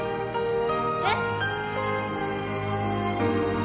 えっ？